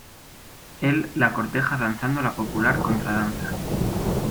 Él la corteja danzando la popular “Contradanza.